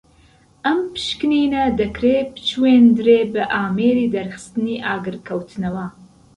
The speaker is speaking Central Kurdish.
ئەم پشکنینە دەکرێ بچووێندرێ بە ئامێری دەرخستنی ئاگرکەوتنەوە